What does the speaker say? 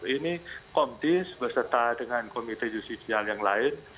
ini kompis berserta dengan komite judicial yang lain